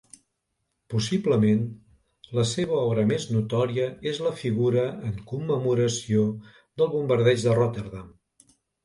Possiblement la seva obra més notòria és la figura en commemoració del Bombardeig de Rotterdam.